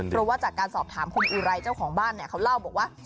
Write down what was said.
เพราะว่าจากการสอบถามคุณอุไรเจ้าของบ้านเนี่ยเขาเล่าบอกว่า